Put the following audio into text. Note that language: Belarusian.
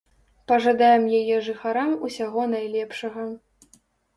Пажадаем яе жыхарам усяго найлепшага.